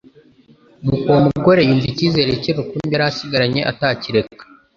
Nuko uwo mugore yumva icyizere cye rukumbi yari asigaranye atakireka.